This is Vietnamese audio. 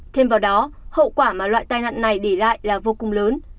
thêm vào đó hậu quả mà loại tai nạn này để lại là vô cùng lớn